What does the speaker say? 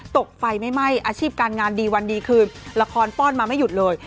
ตกไฟไม่ไหม้อาชีพการงานดีวันดีคืนละครป้อนมาไม่หยุดเลย